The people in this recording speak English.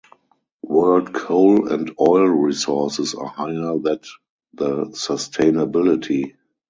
World coal and oil resources are higher that the sustainability.